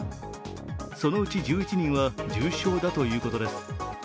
そのうち１１人は重傷だということです。